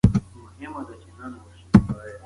که په هېواد کې سوله وي نو خلک آرامه وي.